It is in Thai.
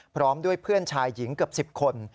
พร้อมด้วยเพื่อนชายหญิงเกือบ๑๐คน